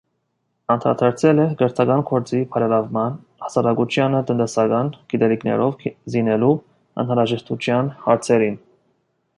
Անդրադարձել է կրթական գործի բարելավման, հասարակությանը տնտեսական գիտելիքներով զինելու անհրաժեշտության հարցերին։